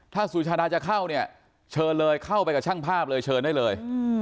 ถ้าสุชาดาจะเข้าเนี่ยเชิญเลยเข้าไปกับช่างภาพเลยเชิญได้เลย